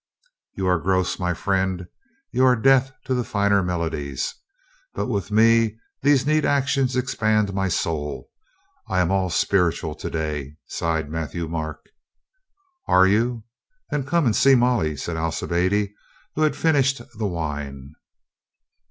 "You are gross, my friend. You are deaf to the finer melodies. But with me these neat actions ex pand my soul. I am all spiritual to day," sighed Matthieu Marc. "Are you? Then come and see Molly," said Alci biade, who had finished the wine.